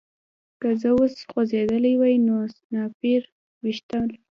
که زه اوس خوځېدلی وای نو سنایپر ویشتلم